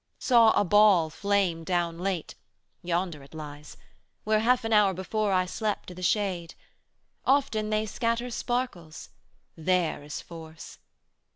210 'Saw a ball flame down late (yonder it lies) Where, half an hour before, I slept i' the shade: Often they scatter sparkles: there is force!